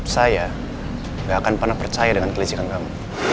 saya gak akan pernah percaya dengan kelecehan kamu